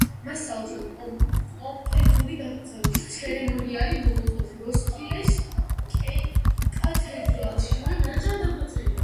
მას საოცრად პომპეზური დაკრძალვის ცერემონიალი მოუწყვეს როსკილეს კათედრალში.